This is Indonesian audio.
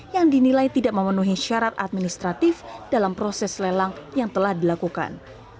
yang dinilai tidak memenuhi syarat administratif dalam proses lelang yang telah dilakukan